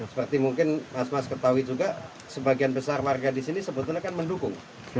seperti mungkin mas mas ketahui juga sebagian besar warga di sini sebetulnya kan mendukung